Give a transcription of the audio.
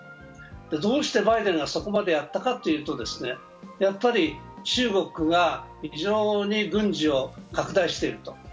どうしてバイデンがそこまでやったかというと、やはり中国が異常に軍事を拡大していると。